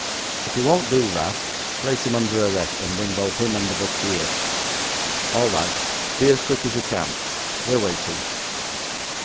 If he won't do that, place him under arrest, and bring both him and the book here. All right. Be as quick as you can; we're waiting.'